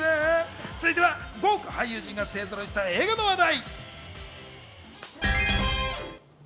続いては豪華俳優陣が勢ぞろいした映画の話題。